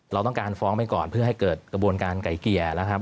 เราต้องการฟ้องไปก่อนเพื่อให้เกิดกระบวนการไก่เกลี่ยนะครับ